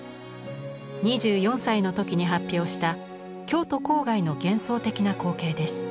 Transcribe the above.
２４歳の時に発表した京都郊外の幻想的な光景です。